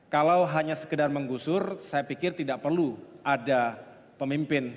kalau hanya sekedar menggusur saya pikir tidak perlu ada pemimpin yang benar benar memiliki visi ke depan